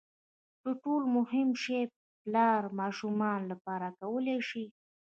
تر ټولو مهم شی پلار ماشومانو لپاره کولای شي.